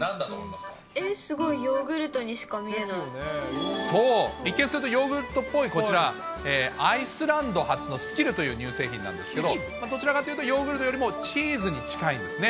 すごい、ヨーグルトにしか見そう、一見するとヨーグルトっぽいこちら、アイスランド発のスキルという乳製品なんですけど、どちらかというと、ヨーグルトよりもチーズに近いんですね。